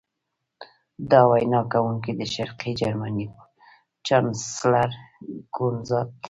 دا وینا کوونکی د شرقي جرمني چانسلر کونراډ و